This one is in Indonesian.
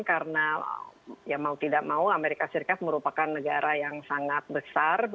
karena ya mau tidak mau amerika serikat merupakan negara yang sangat besar